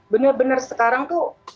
benar benar sekarang tuh